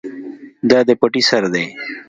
دا د پټی سر دی.